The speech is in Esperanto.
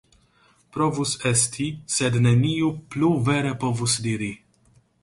Povus esti, sed neniu plu vere povus diri.